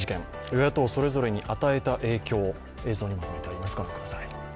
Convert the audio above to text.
与野党それぞれに与えた影響、映像にまとめてあります。